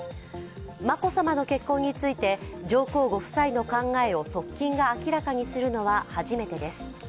眞子さまの結婚について上皇ご夫妻の考えを側近が明らかにするのは初めてです。